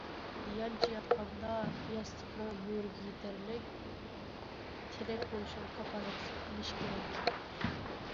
يانچە ياتقاندا ياستۇقنىڭ مۈرىگە يېتەرلىك تىرەك بولۇشىغا كاپالەتلىك قىلىش كېرەك.